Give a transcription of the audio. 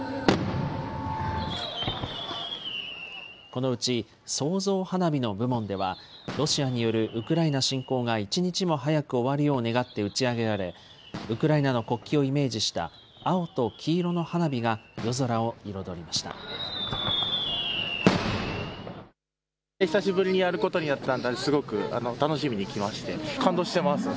このうち創造花火の部門では、ロシアによるウクライナ侵攻が一日も早く終わるよう願って打ち上げられ、ウクライナの国旗をイメージした青と黄色の花火が夜空を彩りました。